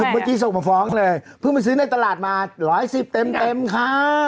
เมื่อกี้ส่งมาฟ้องเลยเพิ่งไปซื้อในตลาดมา๑๑๐เต็มค่ะ